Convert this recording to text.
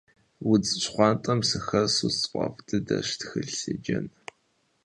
Удз щхъуантӏэм сыхэсу сфӏэфӏ дыдэщ тхылъ седжэн.